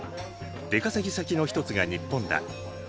出稼ぎ先の一つが日本だ。